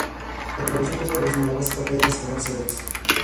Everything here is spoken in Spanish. Tanto la versión completa, como la básica pueden descargarse gratis.